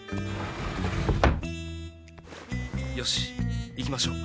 よし行きましょう。